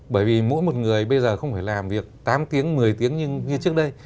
bởi vì mỗi một người bây giờ không phải làm việc tám tiếng một mươi tiếng nhưng như trước đây